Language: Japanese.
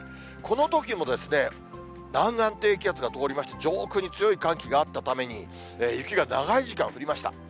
このときも、南岸低気圧が通りまして、上空に強い寒気があったために、雪が長い時間降りました。